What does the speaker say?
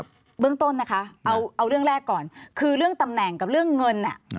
เบื้องต้นนะคะเอาเรื่องแรกก่อนคือเรื่องตำแหน่งกับเรื่องเงิน